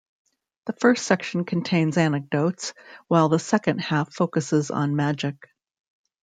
The first section contains anecdotes, while the second half focuses on magic.